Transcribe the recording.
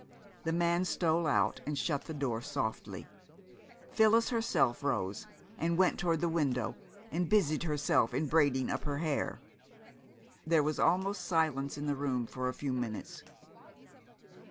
The man stole out and shut the door softly. Phyllis herself rose and went toward the window, and busied herself in braiding up her hair. There was almost silence in the room for a few minutes.